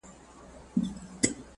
د ذمي ژوند بايد ارامه وي.